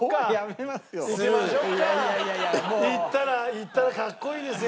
いったらかっこいいですよ。